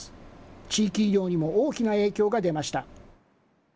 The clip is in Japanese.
地域医療にも大きな影響が出ました。